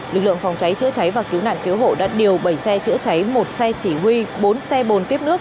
lực lượng phòng cháy chữa cháy và cứu nạn cứu hộ đã điều bảy xe chữa cháy một xe chỉ huy bốn xe bồn tiếp nước